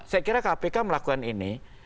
saya kira kpk melakukan ini